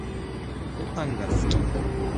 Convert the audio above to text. ごはんが好き